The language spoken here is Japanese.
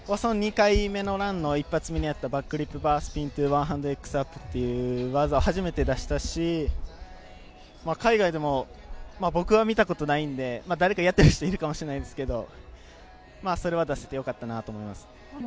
２回目のランの１発目にあったバックフリップバースピントゥワンハンドエックスアップという技、初めて出したし、海外でも、僕は見たことないので誰かやっている人いるかもしれないですけど、それは出せてよかったなと思います。